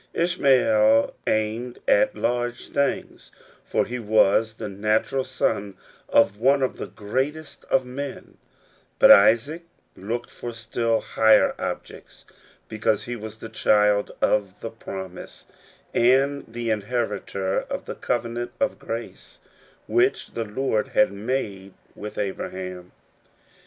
Ishmael aimed at large things, for he was the natural son of one of the greatest of men ; but Isaac looked, for still higher objects, because he was the child of the promise, and the inheritor of the covenant of grace which the Lord had made with Abraham.